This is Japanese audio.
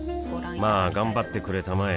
まあ頑張ってくれたまえ